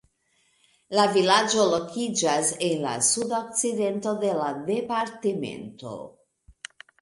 La vilaĝo lokiĝas en la sudokcidento de la departemento.